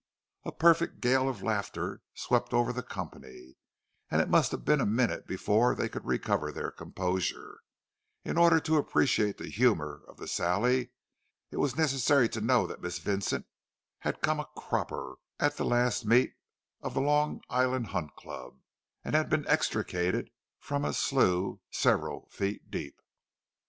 A perfect gale of laughter swept over the company, and it must have been a minute before they could recover their composure; in order to appreciate the humour of the sally it was necessary to know that Miss Vincent had "come a cropper" at the last meet of the Long Island Hunt Club, and been extricated from a slough several feet deep.